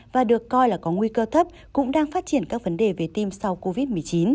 và được coi là có nguy cơ thấp cũng đang phát triển các vấn đề về tim sau covid một mươi chín